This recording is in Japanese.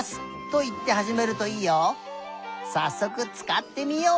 さっそくつかってみよう！